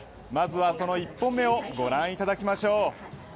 まずはその１本目をご覧いただきましょう。